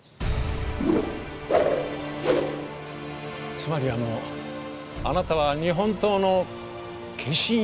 つまりあのあなたは日本刀の化身？